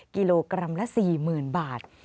กิโลกรัมละ๔๐๐๐บาท